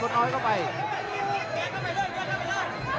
ต้องการสวัสดีค่ะ